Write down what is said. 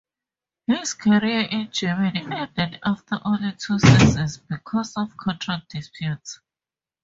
His career in Germany ended after only two seasons because of contract disputes.